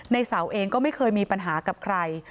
ในเสาเองก็ไม่เคยมีปัญหากับใคร